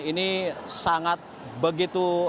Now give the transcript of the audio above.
ini sangat begitu